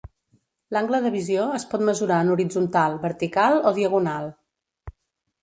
L'angle de visió es pot mesurar en horitzontal, vertical o diagonal.